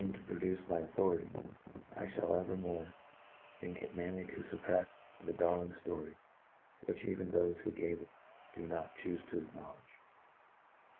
ifliamcd to produce my authority, I (hall cvifr more think, it manly to fupprefs the darkling ftory, which even thofe who gave it do not thufc to ackiiovsrledgifc.